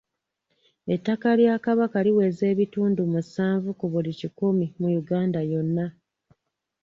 Ettaka lya Kabaka liweza ebitundu musanvu ku buli kikumi mu Uganda yonna.